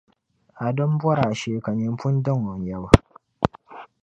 A dima bɔri a shee ka nyini pun daŋ o nyabu.